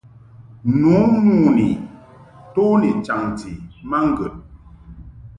Nu mon ni nto ni chaŋti ma ŋgəd.